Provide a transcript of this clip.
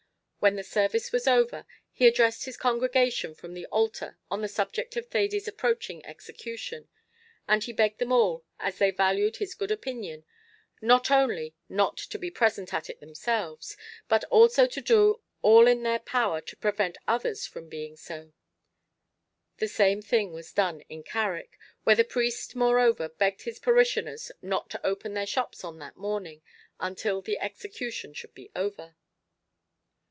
When the service was over, he addressed his congregation from the altar on the subject of Thady's approaching execution, and he begged them all, as they valued his good opinion, not only not to be present at it themselves, but also to do all in their power to prevent others from being so. The same thing was done in Carrick, where the priest moreover begged his parishioners not to open their shops on that morning until the execution should be over.